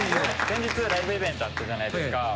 先日ライブイベントあったじゃないですか。